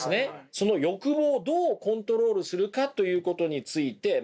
その欲望をどうコントロールするかということについて徹底的に考える。